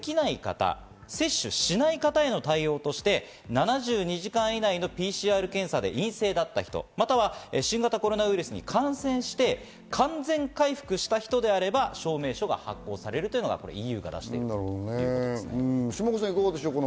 またワクチンが接種できない方、接種しない方への対応として７２時間以内のＰＣＲ検査で陰性だった人、または新型コロナに感染して完全に回復した人であれば証明書が発行されるというのがＥＵ型です。